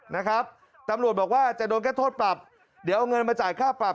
นะครับตำรวจบอกว่าจะโดนแค่โทษปรับเดี๋ยวเอาเงินมาจ่ายค่าปรับ